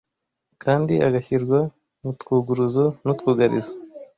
kandi agashyirwa mu twuguruzo n’utwugarizo